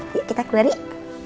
yuk kita keluar yuk